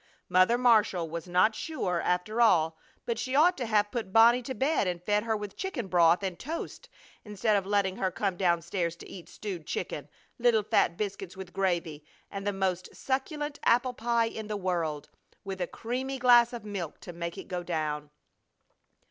Mother Marshall was not sure, after all, but she ought to have put Bonnie to bed and fed her with chicken broth and toast instead of letting her come down stairs to eat stewed chicken, little fat biscuits with gravy, and the most succulent apple pie in the world, with a creamy glass of milk to make it go down.